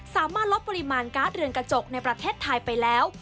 สามารถลดปริมาณการ์ดเรือนกระจกในประเทศไทยไปแล้ว